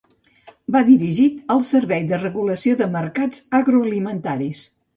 Va dirigit al Servei de Regulació de Mercats Agroalimentaris.